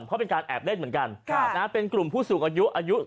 เพราะเป็นการแอบเล่นเหมือนกันเป็นกลุ่มผู้สูงอายุอายุ